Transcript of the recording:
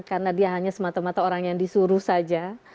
karena dia hanya semata mata orang yang disuruh saja